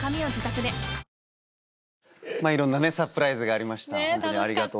いろんなねサプライズがありました